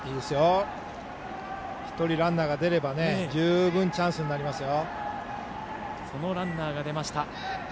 １人ランナーが出ればチャンスになりますよ。